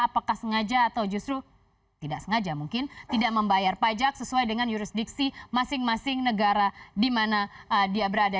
apakah sengaja atau justru tidak sengaja mungkin tidak membayar pajak sesuai dengan jurisdiksi masing masing negara di mana dia berada